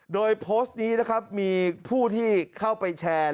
โดยโพสต์นี้นะครับมีผู้ที่เข้าไปแชร์